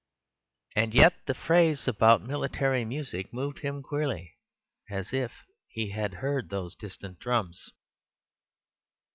And yet the phrase about military music moved him queerly, as if he had heard those distant drums.